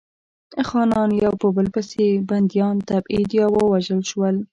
خانان یو په بل پسې بندیان، تبعید یا ووژل شول.